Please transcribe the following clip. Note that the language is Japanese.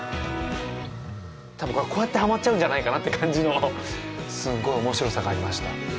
たぶんこうやってハマっちゃうんじゃないかなって感じの面白さがありました。